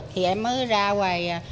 thì em mới ra quầy